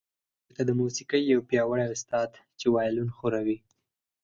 لکه د موسیقۍ یو پیاوړی استاد چې وایلون ښوروي